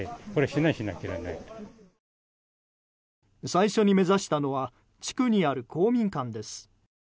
最初に目指したのは地区にある公民館です。